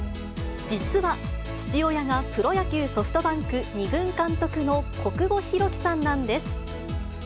実は、父親がプロ野球・ソフトバンク２軍監督の小久保裕紀さんなんです。